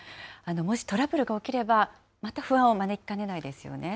もしトラブルが起きれば、また不安を招きかねないですよね。